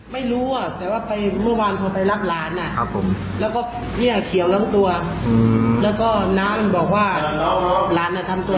เพราะงั้นหลานเห็นต้องร้องตัวน้ามัยบอกว่าร้านทำตัวเอง